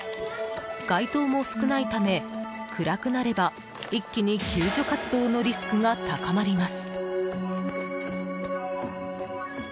街灯も少ないため暗くなれば、一気に救助活動のリスクが高まります。